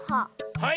はい！